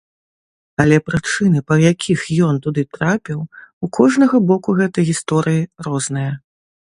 Але прычыны, па якіх ён туды трапіў, у кожнага боку гэтай гісторыі розныя.